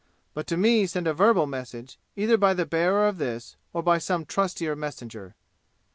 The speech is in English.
But to me send a verbal message, either by the bearer of this or by some trustier messenger.